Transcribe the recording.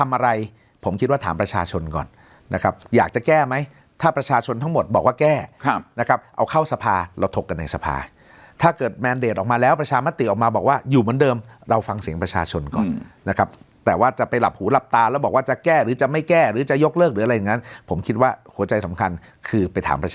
อะไรผมคิดว่าถามประชาชนก่อนนะครับอยากจะแก้ไหมถ้าประชาชนทั้งหมดบอกว่าแก้นะครับเอาเข้าสภาเราถกกันในสภาถ้าเกิดแมนเดชออกมาแล้วประชามติออกมาบอกว่าอยู่เหมือนเดิมเราฟังเสียงประชาชนก่อนนะครับแต่ว่าจะไปหลับหูหลับตาแล้วบอกว่าจะแก้หรือจะไม่แก้หรือจะยกเลิกหรืออะไรอย่างนั้นผมคิดว่าหัวใจสำคัญคือไปถามประช